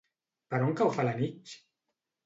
Per on cau Felanitx?